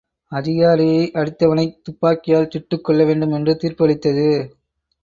அதிகாரியை அடித்தவனைத் துப்பாக்கியால் சுட்டுக் கொல்லவேண்டும் என்று தீர்ப்பளித்தது.